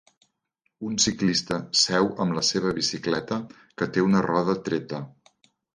Un ciclista seu amb la seva bicicleta, que té una roda treta.